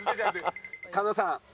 狩野さん。